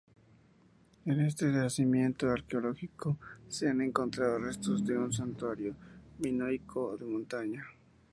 En este yacimiento arqueológico se han encontrado restos de un santuario minoico de montaña.